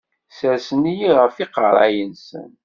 Sersen-iyi ɣef yiqerra-nsen.